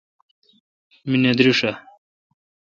می نہ درݭ اؘ۔